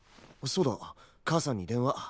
そうだ母さんに電話。